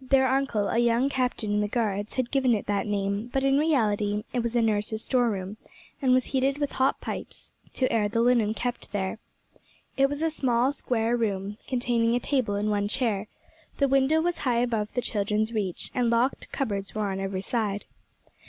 Their uncle, a young captain in the Guards, had given it that name, but in reality it was nurse's storeroom, and was heated with hot pipes, to air the linen kept there. It was a small, square room, containing a table and one chair; the window was high above the children's reach, and locked cupboards were on every side.